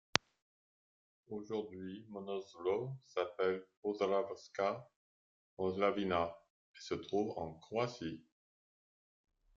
Aujourd'hui Monoszló s'appelle Podravska Moslavina et se trouve en Croatie.